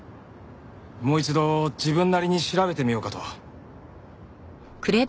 もう一度自分なりに調べてみようかと。